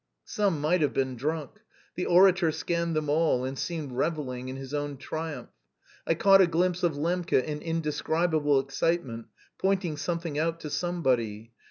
Some might have been drunk. The orator scanned them all and seemed revelling in his own triumph. I caught a glimpse of Lembke in indescribable excitement, pointing something out to somebody.